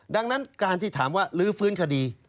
ดังนั้นการที่ถามว่าลื้อฟื้นคดี